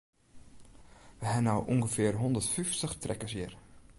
We ha no ûngefear hondert fyftich trekkers hjir.